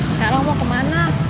sekarang mau kemana